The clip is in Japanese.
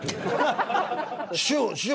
「師匠師匠！